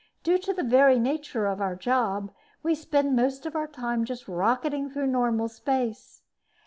Due to the very nature of our job, we spend most of our time just rocketing through normal space.